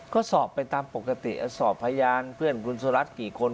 ก็สอบไปตามปกติสอบพยานเพื่อนคุณสุรัสตร์กี่คน